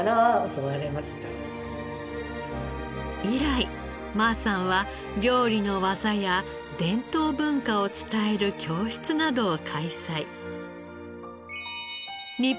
以来馬さんは料理の技や伝統文化を伝える教室などを開催。